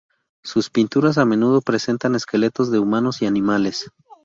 Sus pinturas a menudo presentan esqueletos de humanos y animales.